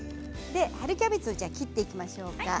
春キャベツを切っていきましょうか。